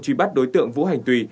truy bắt đối tượng vũ hành tùy